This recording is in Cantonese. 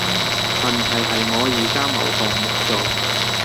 問題係我而家冇項目做